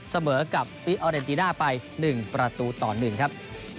เสมอกับปิออเรนติน่าไป๑ประตูต่อ๑ครับ